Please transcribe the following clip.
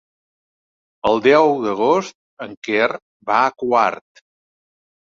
El deu d'agost en Quer va a Quart.